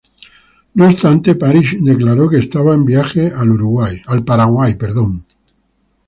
No obstante, Parish declaró que estaba en viaje al Paraguay.